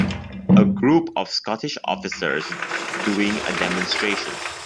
A group of Scottish officers doing a demonstration.